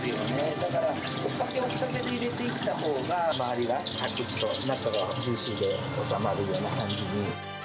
だから、追っかけで入れていったほうが、周りがさくっと、中はジューシーで収まるような感じに。